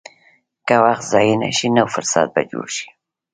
که وخت ضایع نه شي، نو فرصت به جوړ شي.